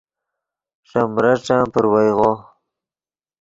ݰے مریݯن پروئیغو